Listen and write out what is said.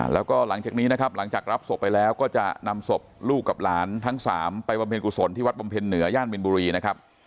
แล้วก็หลังจากนี้นะครับหลังจากรับศพไปแล้วก็จะนำศพลูกกับหลานทั้งสามไปบำเพ็ญกุศลที่วัดบำเพ็ญเหนือย่านมินบุรีนะครับ